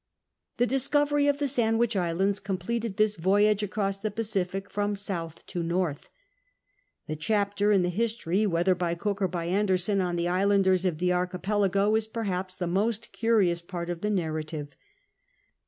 The discovery of the Sandwich Islands completed this voyage across the Pacific from south to north. The chapter in the history, whether by Cook or by Ander son, on the islandei's of the archipelago is perhaps the most curious part of the narrative.